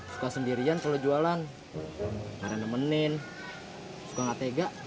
suka sendirian kalau jualan karena nemenin suka gak tega